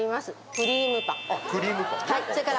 クリームパンね。